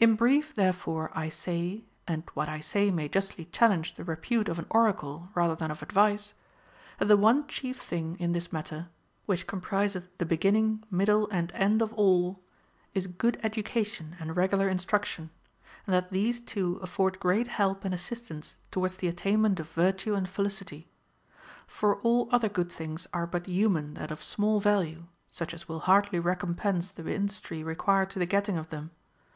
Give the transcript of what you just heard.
8. In brief therefore I say (and what I say may justly challenge the repute of an oracle rather than of advice), that the one chief thing in this matter — which com priseth the beginning, middle, and end of all — is good education and regular instruction ; and that these two afford great help and assistance toAvards the attainment of virtue and felicity. For all other good things are but human and of small value, such as will hardly recompense the industry required to the getting of them.